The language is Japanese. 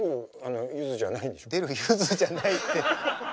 出るゆづじゃないって。